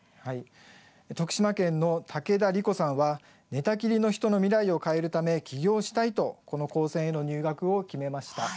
徳島県の武田璃香さんは寝たきりの人の未来を変えるため起業したいとこの高専への入学を決めました。